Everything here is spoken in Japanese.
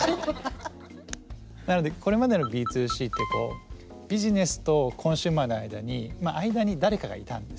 なのでこれまでのＢ２Ｃってビジネスとコンシューマーの間に誰かがいたんですね。